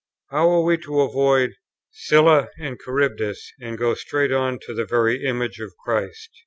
How are we to avoid Scylla and Charybdis and go straight on to the very image of Christ?"